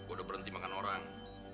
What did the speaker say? udah berhenti makan orang